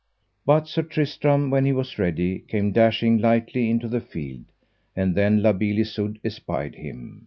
But Sir Tristram, when he was ready, came dashing lightly into the field, and then La Beale Isoud espied him.